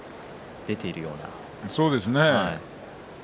そうですね。